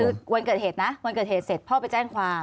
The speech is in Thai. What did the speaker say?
คือวันเกิดเหตุนะวันเกิดเหตุเสร็จพ่อไปแจ้งความ